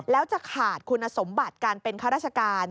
แล้วจะขาดคุณสมบัติการเป็นข้าราชการ